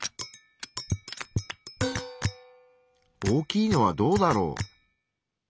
大きいのはどうだろう？